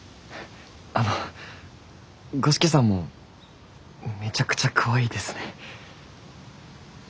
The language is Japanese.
あの五色さんもめちゃくちゃかわいいですね。